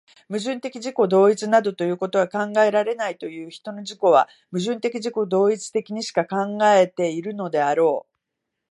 矛盾的自己同一などいうことは考えられないという人の自己は、矛盾的自己同一的にしか考えているのであろう。